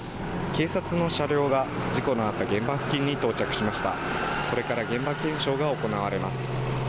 警察の車両が事故のあった現場付近に到着しました。